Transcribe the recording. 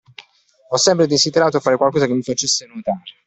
Ho sempre desiderato fare qualcosa che mi facesse notare.